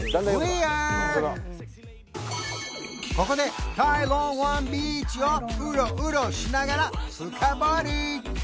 ここでタイロンワンビーチをウロウロしながら深掘り！